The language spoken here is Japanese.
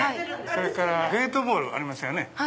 それからゲートボールありますよね。